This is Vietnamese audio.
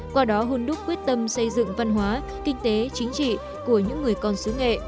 qua đó hôn đúc quyết tâm xây dựng văn hóa kinh tế chính trị của những người con xứ nghệ